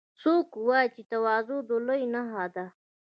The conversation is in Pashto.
څوک وایي چې تواضع د لویۍ نښه ده